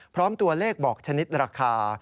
พร้อมตัวเลขบอกชนิดราคา